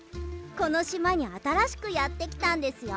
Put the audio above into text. このしまにあたらしくやってきたんですよ。